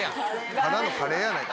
ただのカレーやないか。